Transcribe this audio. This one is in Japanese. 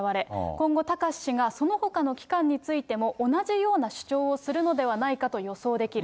今後、貴志氏がそのほかの期間についても同じような主張をするのではないかと予想できる。